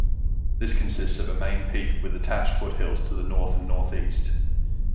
This consists of a main peak with attached foothills to the north and northeast.